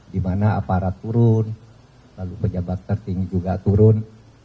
di mana aparat turun lalu pejabat tertinggi juga turun